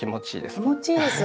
気持ちいいです？